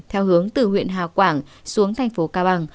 theo hướng từ huyện hà quảng xuống thành phố cao bằng